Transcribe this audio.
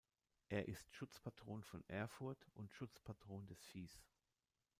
Er ist Schutzpatron von Erfurt und Schutzpatron des Viehs.